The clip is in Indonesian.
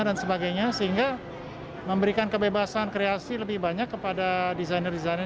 dan sebagainya sehingga memberikan kebebasan kreasi lebih banyak kepada desainer desainer